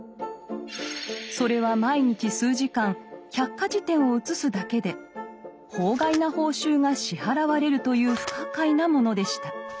それは毎日数時間百科事典を写すだけで法外な報酬が支払われるという不可解なものでした。